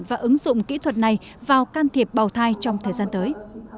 và ứng dụng kỹ thuật này vào can thiệp bào thai trong thời gian tới